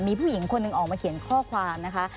มีผู้หญิงคนหนึ่งออกมาเขียนข้อความนะคะ